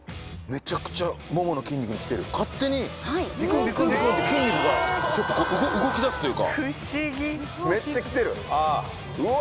めちゃくちゃももの筋肉にきてる勝手にビクンビクンビクンって筋肉がちょっと動きだすというかめっちゃきてるうわ